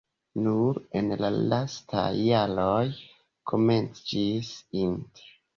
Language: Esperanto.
Nur en la lastaj jaroj komenciĝis int.